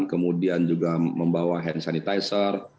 kemudian juga membawa hand sanitizer